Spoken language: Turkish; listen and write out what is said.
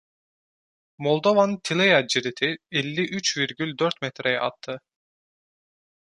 Moldovan-Tilea ciriti elli üç virgül dört metreye attı.